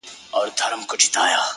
زما د ښار ځوان _